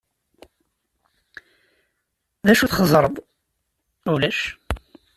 D acu txeẓẓreḍ? Ulac.